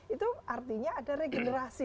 itu artinya ada regenerasi